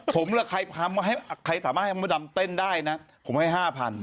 ผมแหละใครสามารถให้มดดำเต้นได้นะผมให้๕๐๐๐บาท